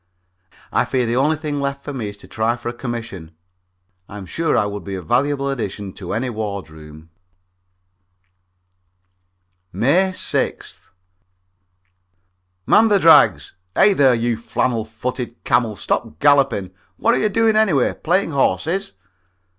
I fear the only thing left for me is to try for a commission. I'm sure I would be a valuable addition to any wardroom. May 6th. "Man the drags! Hey, there, you flannel footed camel, stop galloping! What are you doing, anyway playing horses?"